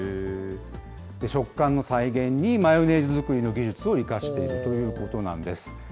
食感の再現に、マヨネーズ作りの技術を生かしているということなんです。